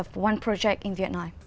chính phủ việt nam